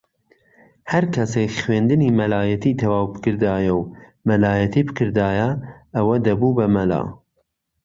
ھەر کەسێک خوێندنی مەلایەتی تەواو بکردایە و مەلایەتی بکردایە ئەوە دەبوو بە مەلا